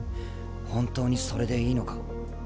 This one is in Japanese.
本当にそれでいいのか？